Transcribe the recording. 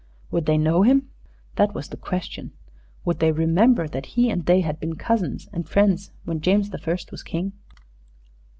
Would they know him? That was the question. Would they remember that he and they had been cousins and friends when James the First was King?